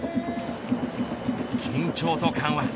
緊張と緩和